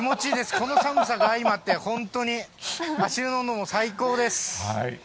この寒さが相まって、本当に足湯の温度も最高です。